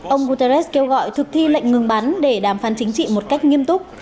ông guterres kêu gọi thực thi lệnh ngừng bắn để đàm phán chính trị một cách nghiêm túc